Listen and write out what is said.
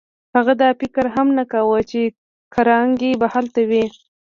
هغه دا فکر هم نه کاوه چې کارنګي به هلته وي.